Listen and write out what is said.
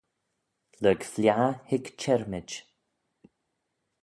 Lurg fliaghey hig çhirmid.